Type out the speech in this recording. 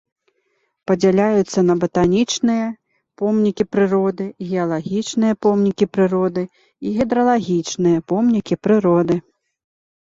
Падзяляюцца на батанічныя помнікі прыроды, геалагічныя помнікі прыроды і гідралагічныя помнікі прыроды.